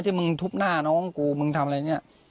ที่มึงทุบหน้าน้องกูมึงทำอะไรเนี่ย